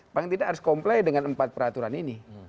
paling tidak harus comply dengan empat peraturan ini